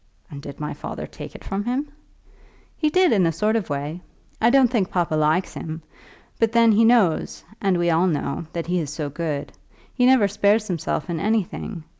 "And did my father take it from him?" "He did, in a sort of a way. I don't think papa likes him; but then he knows, and we all know, that he is so good. He never spares himself in anything.